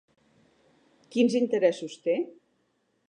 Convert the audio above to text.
Quins interessos té?